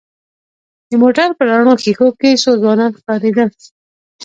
د موټر په رڼو ښېښو کې څو ځوانان ښکارېدل.